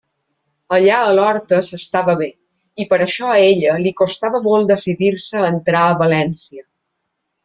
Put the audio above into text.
Allà a l'horta s'estava bé, i per això a ella li costava molt decidir-se a entrar a València.